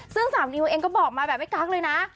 ซึ่งสาวนิวเองก็บอกมาแบบไม่กั๊กเลยนะ